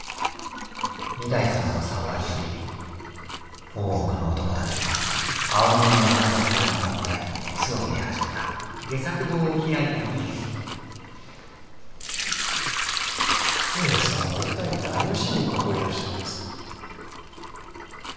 御台様の参加により大奥の男たちは青沼の蘭学を学ぶ会に熱を入れ始めた伊兵衛さんは一体何をしにここへいらっしゃるんですか？